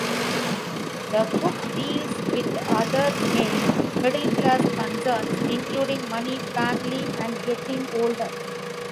The book deals with other male, middle-class concerns, including money, family and getting older.